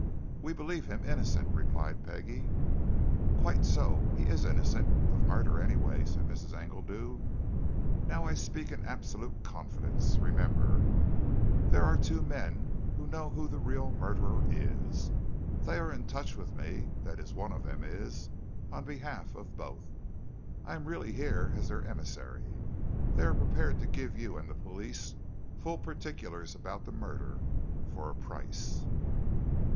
"We believe him innocent," replied Peggie. "Quite so he is innocent of murder, anyway," said Mrs. Engledew. "Now I speak in absolute confidence, remember! there are two men who know who the real murderer is. They are in touch with me that is, one of them is, on behalf of both. I am really here as their emissary. They are prepared to give you and the police full particulars about the murder for a price."